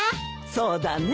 そうだね。